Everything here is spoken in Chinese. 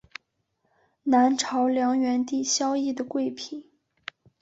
南朝梁元帝萧绎的贵嫔。